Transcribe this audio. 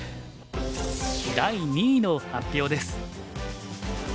第２位の発表です。